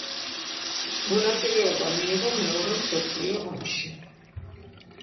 მონაწილეობა მიიღო მეორე მსოფლიო ომში.